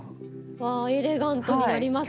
わあエレガントになりますね。